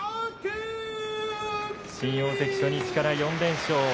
新大関初日から４連勝。